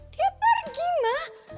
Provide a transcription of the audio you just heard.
dia pergi ma